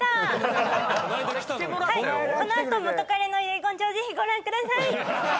「この後『元彼の遺言状』ぜひご覧ください！」